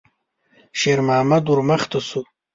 شېرمحمد ور مخته شو.